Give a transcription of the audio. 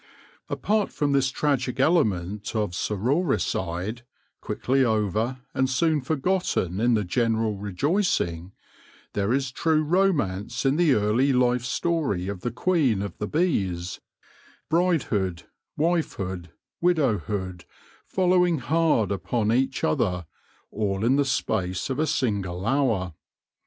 Apart from this tragic element of sororicide, quickly over and soon forgotten in the general rejoicing, there is true romance in the early life story of the Queen of the Bees — bridehood, wifehood, widowhood, follow, ing hard upon each other, all in the space of a single hour.